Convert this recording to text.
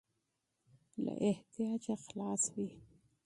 له احتیاجه خلاص وي.